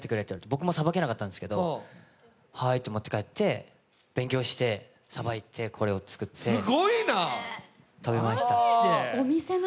僕もさばけなかったんですけど、はーいって持って帰って、勉強して、さばいてこれを作って食べました。